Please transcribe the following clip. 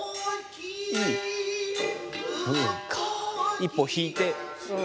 一歩引いて。